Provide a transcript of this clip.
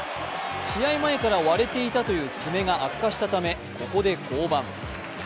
試合前から割れていたという爪が悪化したため、ここで降板。